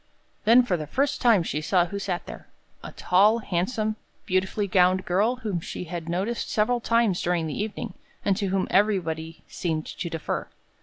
Then for the first time she saw who sat there a tall, handsome, beautifully gowned girl whom she had noticed several times during the evening, and to whom everybody seemed to defer.